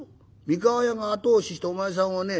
三河屋が後押ししてお前さんをね